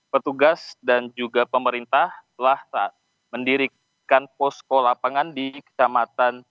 petugas dan juga pemerintah telah mendirikan posko lapangan di kecamatan